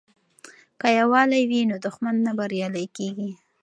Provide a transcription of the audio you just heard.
که یووالی وي نو دښمن نه بریالی کیږي.